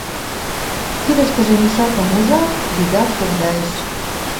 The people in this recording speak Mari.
Кидыштыже мешакым ужат, вигак тогдайыш.